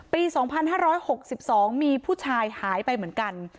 ปีสองพันห้าร้อยหกสิบสองมีผู้ชายหายไปเหมือนกัน